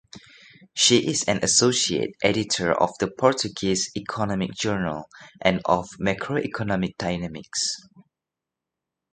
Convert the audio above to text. She is an associate editor of the "Portuguese Economic Journal" and of "Macroeconomic Dynamics".